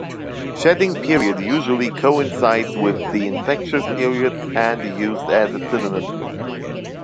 Shedding period usually coincides with the infectious period and used as its synonym.